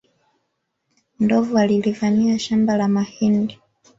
Ndovu walilivamia shamba la mahindi